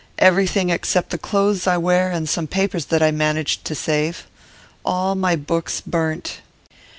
'Everything, except the clothes I wear and some papers that I managed to save. All my books burnt!